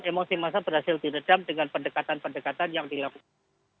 emosi masa berhasil diredam dengan pendekatan pendekatan yang dilakukan